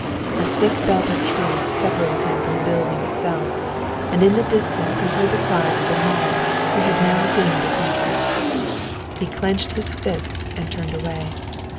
A thick belt of trees separated him from the building itself, and in the distance he heard the cries of the mob who had now gained an entrance. He clenched his fists and turned away.